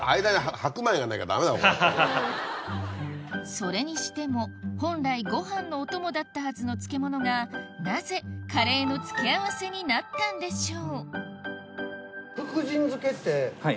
それにしても本来ご飯のお供だったはずの漬物がなぜカレーの付け合わせになったんでしょう？